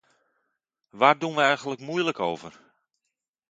Waar doen wij eigenlijk moeilijk over?